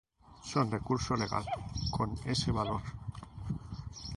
Son de curso legal con ese valor.